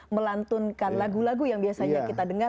melantunkan lagu lagu yang biasanya kita dengar